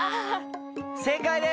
正解です！